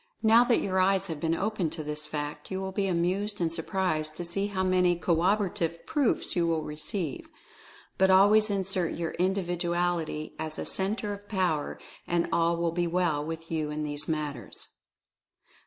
Now that your eyes have been opened to this fact, you will be amused and surprised to see hoW many corroborative proofs you will receive. But always assert your Individuality as a Centre of Power, and all will be well with you in these matters.